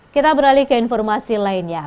kita beralih ke informasi lainnya